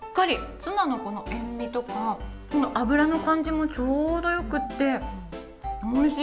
ツナの塩みとか脂の感じもちょうどよくて、おいしい。